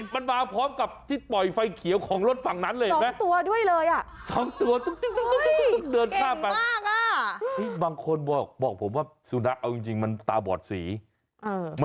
มันมาพร้อมกับที่ปล่อยไฟเขียวของรถฝั่งนั้นเลยเห็นไหม